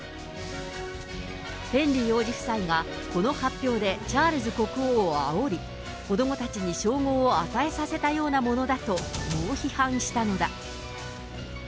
ヘンリー王子夫妻がこの発表でチャールズ国王をあおり、子どもたちに称号を与えさせたようなものだと猛批判したのだ。